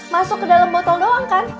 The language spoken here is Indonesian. masuk ke dalam botol doang kan